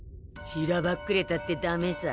しらばっくれたってダメさ。